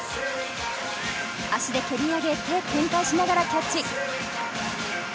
足で蹴り上げて転回しながらキャッチ。